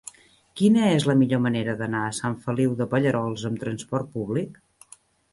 Quina és la millor manera d'anar a Sant Feliu de Pallerols amb trasport públic?